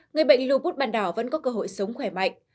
người bệnh lupus băng đỏ vẫn có cơ hội sống khỏe mạnh